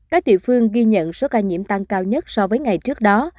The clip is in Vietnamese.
các địa phương ghi nhận số ca nhiễm tăng cao nhất so với ngày trước đó